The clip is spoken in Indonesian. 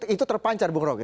itu terpancar bung rogi